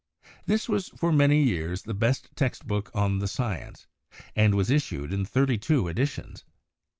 This was for many years the best text book on the science, and was issued in thirty two editions.